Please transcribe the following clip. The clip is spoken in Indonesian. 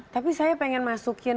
tapi saya pengen masuk ke film